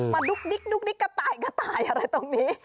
มาดุ๊กดิ๊กดุ๊กดิ๊กกระต่ายอะไรตรงนี้